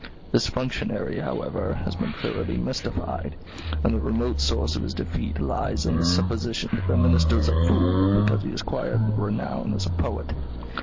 This functionary, however, has been thoroughly mystified; and the remote source of his defeat lies in the supposition that the Minister is a fool, because he has acquired renown as a poet.